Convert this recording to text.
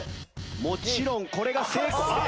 もちろんこれが成功あっ。